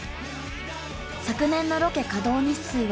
昨年のロケ稼働日数は